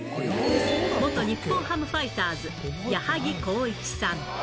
元日本ハムファイターズ、矢作公一さん。